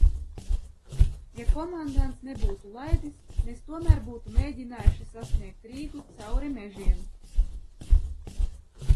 Ja komandants nebūtu laidis, mēs tomēr būtu mēģinājuši sasniegt Rīgu, cauri mežiem.